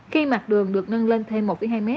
khi mặt đường được nâng lên thêm một hai m